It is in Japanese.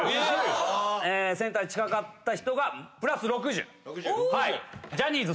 センターに近かった人が＋６０。